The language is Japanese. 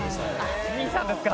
兄さんですか。